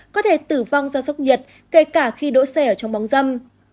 có thể tử vong do sốc nhiệt kể cả khi đỗ xe ở trong bóng dâm